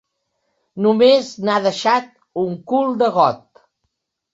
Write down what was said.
Només n'ha deixat un cul de got.